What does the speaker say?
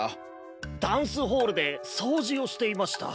ダンスホールでそうじをしていました。